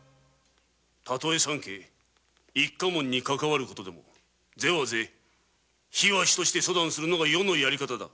たとえ三家一家門にかかわる事でも是は是非は非として処断するのが余のやり方だ。